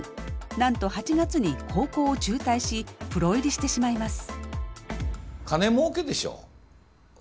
なんと８月に高校を中退しプロ入りしてしまいます。